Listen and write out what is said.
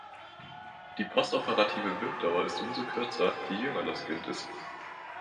Die postoperative Wirkdauer ist umso kürzer, je jünger das Kind ist.